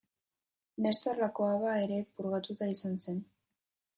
Nestor Lakoba ere purgatua izan zen.